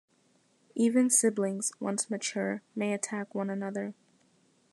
Even siblings, once mature, may attack one another.